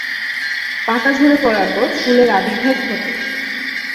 পাতা ঝরে পড়ার পর ফুলের আবির্ভাব ঘটে।